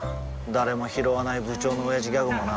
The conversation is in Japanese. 誰もひろわない部長のオヤジギャグもな